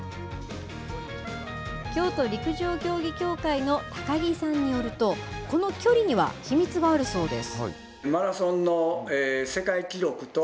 京都陸上競技協会の高木さんによると、この距離には秘密があるそうです。